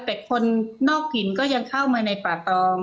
แต่คนนอกถิ่นก็ยังเข้ามาในป่าตอง